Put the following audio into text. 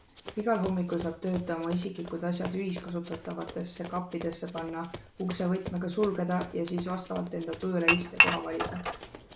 Igal hommikul saab töötaja oma isiklikud asjad ühiskasutatavatesse kappidesse panna, ukse võtmega sulgeda ja siis vastavalt enda tujule istekoha valida.